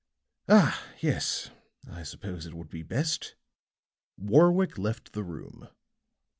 "Ah, yes. I suppose it would be best." Warwick left the room.